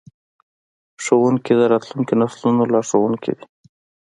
ښوونکي د راتلونکو نسلونو لارښوونکي دي.